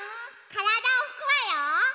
からだをふくわよ。